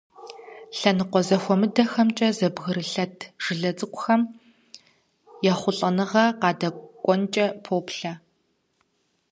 Лъэныкъуэ зэхуэмыдэхэмкӀэ зэбгрылъэт жылэ цӀыкӀухэм ехъулӀэныгъэ къадэкӏуэнкӀэ поплъэ.